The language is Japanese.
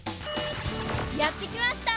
やって来ました！